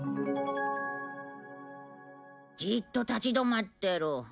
じっと立ち止まってる。